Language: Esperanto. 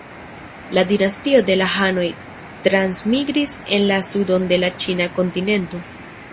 La dinastio de la hanoj transmigris en la sudon de la ĉina kontinento.